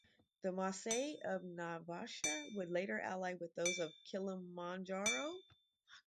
The Maasai of Naivasha would later ally with those of Kilimanjaro.